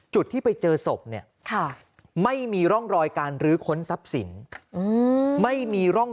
จุดที่ไปเจอศพเนี่ยไม่มีร่องรอยการรื้อค้นทรัพย์สินไม่มีร่อง